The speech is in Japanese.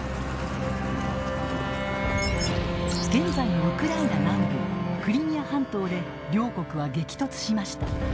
現在のウクライナ南部クリミア半島で両国は激突しました。